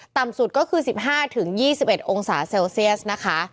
ต่ำสุดก็คือ๑๕๒๑องศาเซลเซียสนะคะ